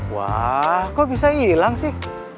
wah kok bisa hilang sih